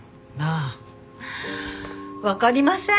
ああ分かりません。